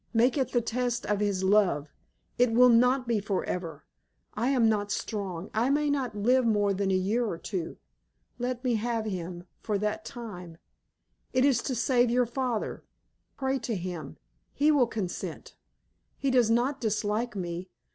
"Make it the test of his love. It will not be forever. I am not strong. I may not live more than a year or two. Let me have him for that time. It is to save your father. Pray to him. He will consent. He does not dislike me.